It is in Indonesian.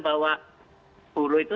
bahwa buruh itu